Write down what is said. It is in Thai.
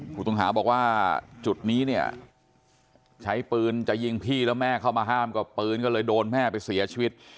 ผู้ต้องหาบอกว่าจุดนี้เนี่ยใช้ปืนจะยิงพี่แล้วแม่เข้ามาห้ามก็ปืนก็เลยโดนแม่ไปเสียชีวิต